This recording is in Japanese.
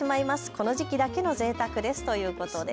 この時期だけのぜいたくですということです。